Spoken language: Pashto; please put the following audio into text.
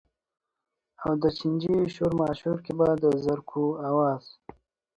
او د چڼچڼو شورماشور کي به د زرکو آواز